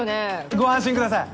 ご安心ください